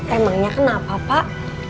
emangnya kenapa pak